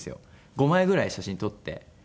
５枚ぐらい写真撮って。